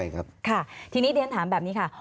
ไม่ได้ใช่ครับ